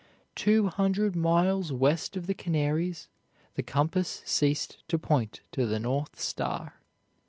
Two hundred miles west of the Canaries, the compass ceased to point to the North Star.